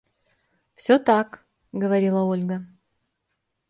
– Все так, – говорила Ольга.